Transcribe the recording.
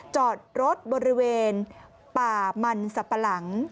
จอดรถบริเวณป่ามันสับปะหลัง